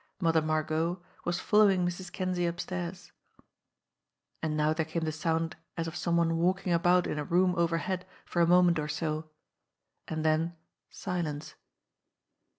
Mother Margot was following Mrs. Kinsey up stairs. And now there came the sound as of some one walking about in a room overhead for a moment or so, and then silence.